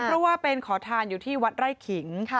เพราะว่าเป็นขอทานอยู่ที่วัดไร่ขิง